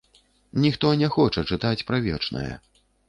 Ніхто не хоча чытаць пра вечнае.